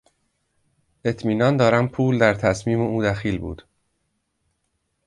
اطمینان دارم پول در تصمیم او دخیل بود.